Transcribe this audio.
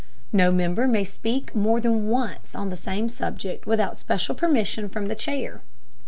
No member may speak more than once on the same subject without special permission from the chair.